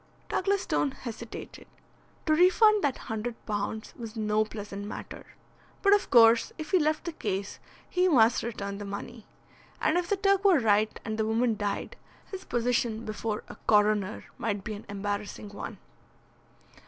Douglas Stone hesitated. To refund that hundred pounds was no pleasant matter. But of course if he left the case he must return the money. And if the Turk were right and the woman died, his position before a coroner might be an embarrassing one.